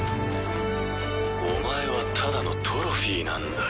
お前はただのトロフィーなんだよ。